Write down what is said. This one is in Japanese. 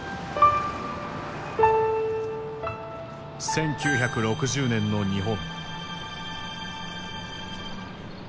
１９６０年の日本。